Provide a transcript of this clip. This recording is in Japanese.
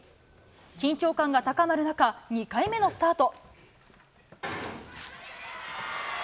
緊張感が高まる中、２回目のスタート。